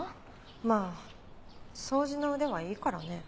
まぁ掃除の腕はいいからね。